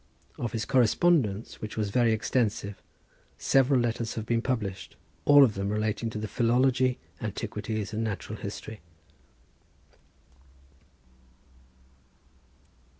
Of his correspondence, which was very extensive, several letters have been published, all of them relating to philology, antiquities, and natural history.